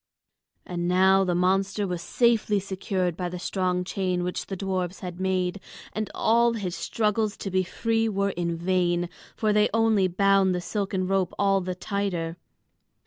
And now the monster was safely secured by the strong chain which the dwarfs had made, and all his struggles to be free were in vain, for they only bound the silken rope all the tighter.